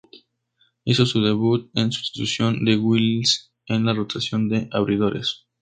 Hizo su debut en sustitución de Willis en la rotación de abridores.